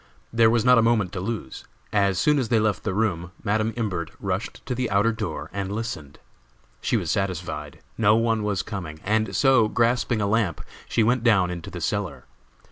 There was not a moment to lose. As soon as they left the room Madam Imbert rushed to the outer door and listened. She was satisfied. No one was coming, and so, grasping a lamp, she went down into the cellar.